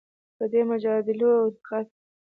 په دې مجادلو او انتخابونو کې